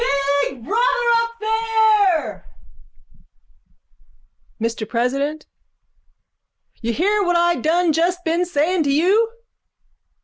_ Big Brother up there, Mr President, you hear what I done just been saying to you.